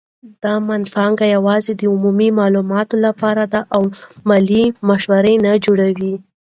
دا مینځپانګه یوازې د عمومي معلوماتو لپاره ده او مالي مشوره نه جوړوي.